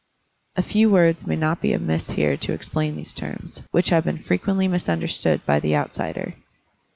A few words may not be amiss here to explain these terms, which have been frequently misun derstood by the outsider.